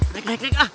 naik naik naik